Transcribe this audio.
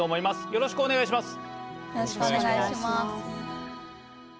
よろしくお願いします。